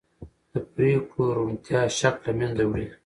د پرېکړو روڼتیا شک له منځه وړي